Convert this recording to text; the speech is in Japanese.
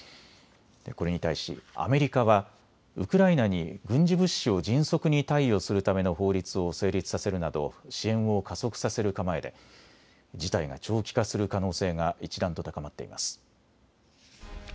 これに対しアメリカはウクライナに軍事物資を迅速に貸与するための法律を成立させるなど支援を加速させる構えで事態が長期化する可能性が一段と高まっています。